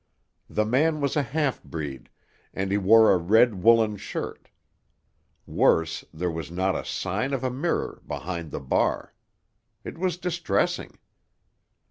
The man was a half breed, and he wore a red woollen shirt. Worse, there was not a sign of a mirror behind the bar. It was distressing.